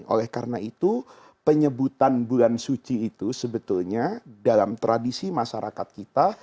oleh karena itu penyebutan bulan suci itu sebetulnya dalam tradisi masyarakat kita